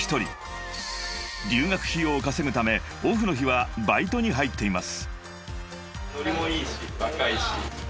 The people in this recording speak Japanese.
［留学費用を稼ぐためオフの日はバイトに入っています］